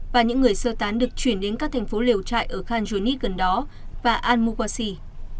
và những người sơ tán được chuyển đến các thành phố liều trại ở khanjounit gần đó và al muqassir